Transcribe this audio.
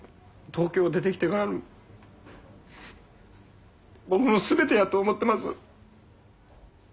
東京出てきてからの僕の全てやと思ってます。